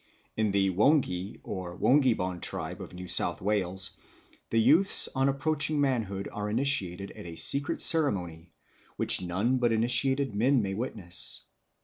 In the Wonghi or Wonghibon tribe of New South Wales the youths on approaching manhood are initiated at a secret ceremony, which none but initiated men may witness.